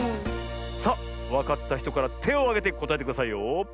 さあわかったひとからてをあげてこたえてくださいよ。